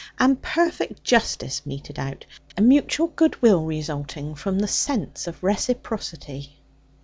And perfect justice meted out: mutual goodwill resulting, from the sense of reciprocity.'